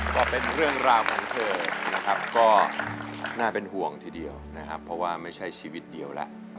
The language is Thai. ก็เป็นเรื่องราวของเธอนะครับก็น่าเป็นห่วงทีเดียวนะครับเพราะว่าไม่ใช่ชีวิตเดียวแล้ว